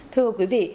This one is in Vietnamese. thưa quý vị